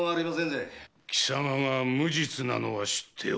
貴様が無実なのは知っておる。